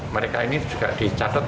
mereka ini juga dicatut